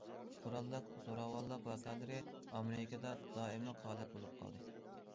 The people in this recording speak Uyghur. قوراللىق زوراۋانلىق ۋەقەلىرى ئامېرىكىدا دائىملىق ھالەت بولۇپ قالدى.